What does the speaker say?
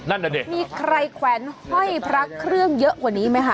นั่นน่ะดิมีใครแขวนห้อยพระเครื่องเยอะกว่านี้ไหมคะ